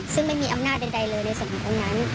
ซึ่งไม่มีอำนาจใดเลยในส่วนของตรงนั้น